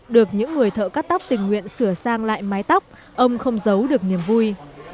được những người thợ cắt tóc tình nguyện sửa sang lại mái tóc ông không giấu được niềm vui